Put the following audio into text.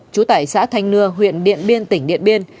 chú tải xã thanh nưa huyện điện biên tỉnh điện biên